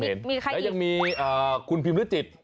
มีใครอีกแล้วยังมีคุณพิมริจิต